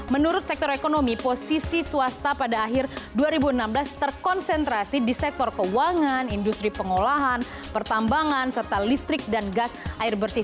menurut sektor ekonomi posisi swasta pada akhir dua ribu enam belas terkonsentrasi di sektor keuangan industri pengolahan pertambangan serta listrik dan gas air bersih